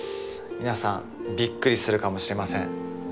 皆さんびっくりするかもしれません。